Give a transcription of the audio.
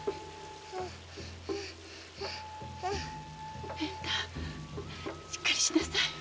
〔平太しっかりしなさい〕